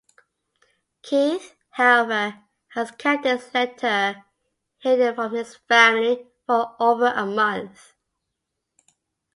Keith, however, has kept this letter hidden from his family for over a month.